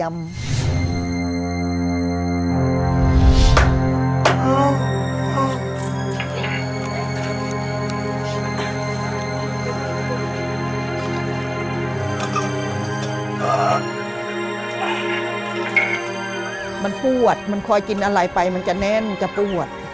มันปวดมันคอยกินอะไรไปมันจะแน่นจะปวด